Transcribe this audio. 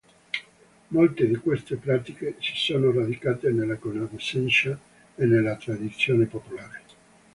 Molte di queste pratiche si sono radicate nella conoscenza e nella tradizione popolare.